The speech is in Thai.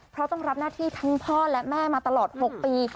เพราะต้องรับหน้าที่ทั้งพ่อและแม่มาตลอด๖ปี